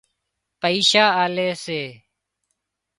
پئيشا آلي سي